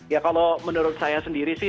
ya kalau menurut saya sendiri sih